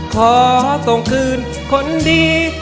ขอส่งคืนคนดี